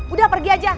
udah pergi aja